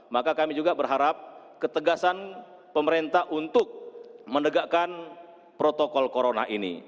maka kami juga berharap ketegasan pemerintah untuk menegakkan protokol corona ini